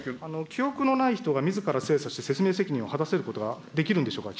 記憶のない人がみずから精査して説明責任を果たせることができるんでしょうか。